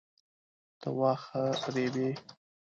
ته واخه ریبې؟